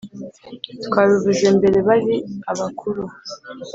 twabivuze mbere bari abakuru